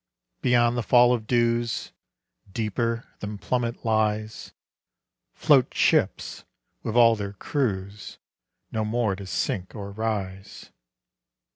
Beyond the fall of dews, Deeper than plummet lies, Float ships, with all their crews, No more to sink or rise.